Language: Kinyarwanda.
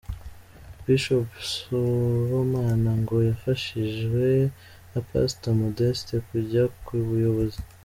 Bishop Sibomana ngo yafashijwe na Pastor Modeste kujya ku buyobozi.